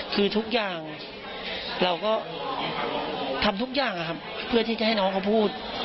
คือทุกอย่างเราก็ทำทุกอย่างนะครับเพื่อที่จะให้น้องเขาพูด